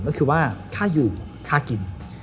ก็คือว่าค่าอยู่ค่ากิน